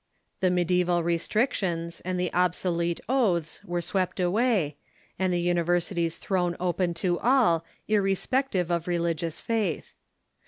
The mediaeval restrictions and the obsolete oaths Avere swept aAvay, and the universities thrown open to all, irrespective of religious faith.